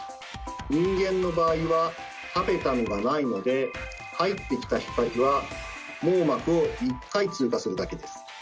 人間の場合はタペタムがないので入ってきた光は網膜を１回通過するだけです。